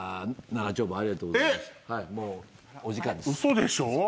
嘘でしょ？